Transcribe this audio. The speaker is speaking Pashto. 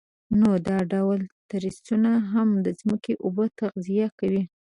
نو دا ډول تریسونه هم د ځمکې اوبه تغذیه کوي.